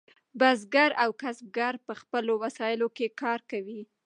بزګر او کسبګر په خپلو وسایلو کار کوي.